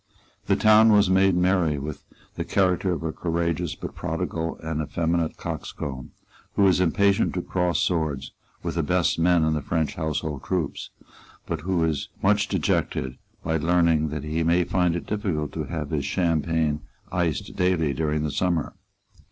The town was made merry with the character of a courageous but prodigal and effeminate coxcomb, who is impatient to cross swords with the best men in the French household troops, but who is much dejected by learning that he may find it difficult to have his champagne iced daily during the summer.